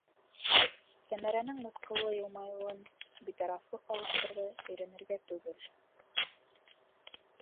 - Сәмәрәнең мыҫҡыллы йылмайыуын битарафлыҡ алыштырҙы, - өйрәнергә түгел.